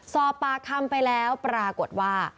สอบปากคำไปแล้วปรากฏว่า